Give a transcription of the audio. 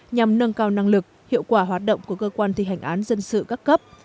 nhằm nâng cao năng lực hiệu quả hoạt động của cơ quan thi hành án dân sự các cấp